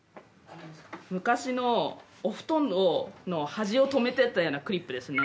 昔のお布団の端を止めてたようなクリップですね。